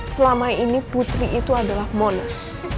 selama ini putri itu adalah monas